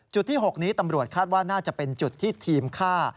จุดที่๖นี้ตำรวจคาดว่าน่าจะเป็นจุดที่ทีมฆ่า